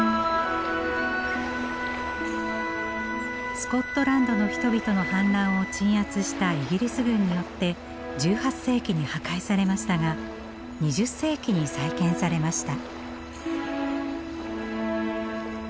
スコットランドの人々の反乱を鎮圧したイギリス軍によって１８世紀に破壊されましたが２０世紀に再建されました。